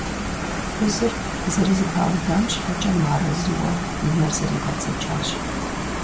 Фызыр зэрызэпаудам щхьэкӀэ мыарэзыуэ и нэр зэригъэдзэкӀащ.